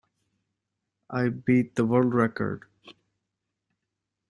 I beat the world record!